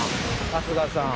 「春日さん！」